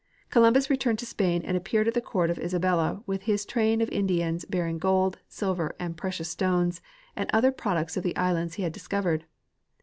Columbus returned to Spain and appeared at the court of Isabella with his train of Indians bearing gold, silver, precious stones, and other products of the islands he had discovered.